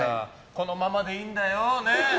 このままでいいんだよ。